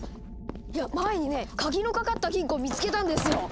いや前にね鍵のかかった金庫を見つけたんですよ。